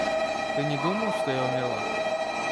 Ты не думал, что я умерла?